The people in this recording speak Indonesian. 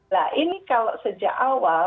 nah ini kalau sejak awal